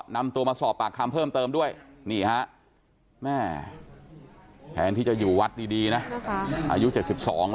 นำตัวมาสอบปากคำเพิ่มเติมด้วยนี่ฮะแม่แทนที่จะอยู่วัดดีนะอายุ๗๒